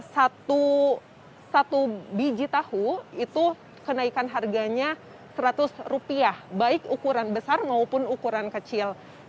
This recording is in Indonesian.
jadi satu biji tahu itu kenaikan harganya seratus rupiah baik ukuran besar maupun ukuran kecil